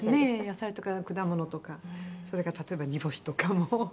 野菜とか果物とかそれから例えば煮干しとかも。